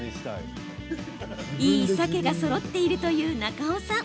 いいサケがそろっているという中尾さん。